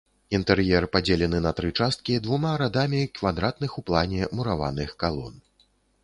Інтэр'ер падзелены на тры часткі двума радамі квадратных у плане мураваных калон.